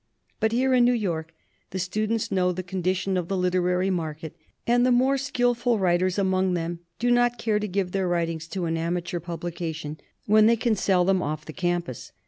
But here in New York the students know the condition of the literary market, and the more skilful writers among them do not care to give their writings to an amateur publication when they can sell them off the campus.